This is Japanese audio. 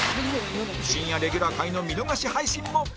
深夜レギュラー回の見逃し配信も！